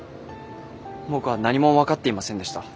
僕は何も分かっていませんでした。